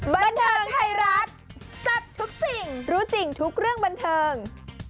บันเทิงไทยรัฐแซ่บทุกสิ่งรู้จริงทุกเรื่องบันเทิง